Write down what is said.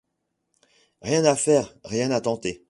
Rien à faire, rien à tenter.